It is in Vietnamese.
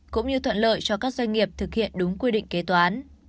cũng như thuận lợi cho các doanh nghiệp thực hiện đúng quy định kế toán